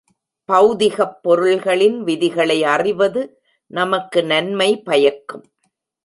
பெளதிகப் பொருள்களின் விதிகளை அறிவது நமக்கு நன்மை பயக்கும்.